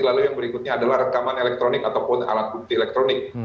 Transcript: lalu yang berikutnya adalah rekaman elektronik ataupun alat bukti elektronik